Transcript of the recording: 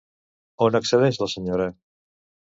On accedeix la senyora?